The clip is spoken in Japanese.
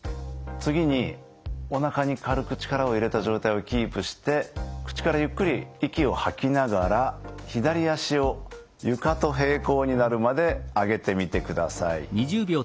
次におなかに軽く力を入れた状態をキープして口からゆっくり息を吐きながら左脚を床と並行になるまで上げてみてください。